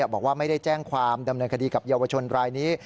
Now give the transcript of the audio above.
บอกว่าไม่ได้แจ้งความดำเนินคดีกับเยาวชนรายนี้